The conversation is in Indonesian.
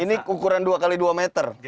ini ukuran dua x dua meter